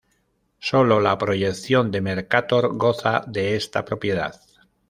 Solo la proyección de Mercator goza de esta propiedad.